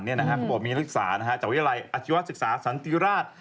เขาบอกมีนักศึกษาจากวิทยาลัยอาชีวศึกษาสันติราช